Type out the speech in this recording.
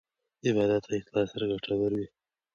عبادت په اخلاص سره ګټور وي.